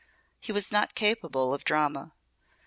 He was not capable of drama.